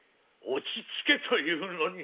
落ち着けというのに。